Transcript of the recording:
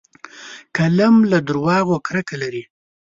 قلم له دروغو کرکه لري